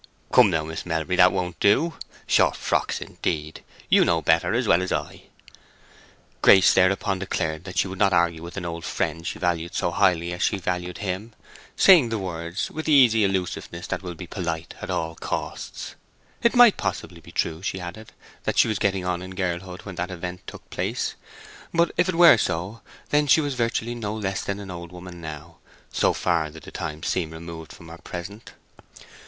"Come now, Miss Melbury, that won't do! Short frocks, indeed! You know better, as well as I." Grace thereupon declared that she would not argue with an old friend she valued so highly as she valued him, saying the words with the easy elusiveness that will be polite at all costs. It might possibly be true, she added, that she was getting on in girlhood when that event took place; but if it were so, then she was virtually no less than an old woman now, so far did the time seem removed from her present.